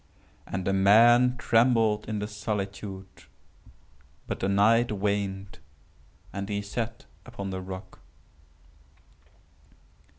And the man trembled in the solitude;—but the night waned, and he sat upon the rock.